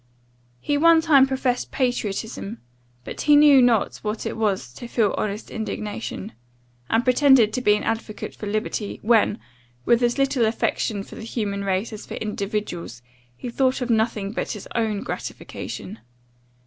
He one time professed patriotism, but he knew not what it was to feel honest indignation; and pretended to be an advocate for liberty, when, with as little affection for the human race as for individuals, he thought of nothing but his own gratification.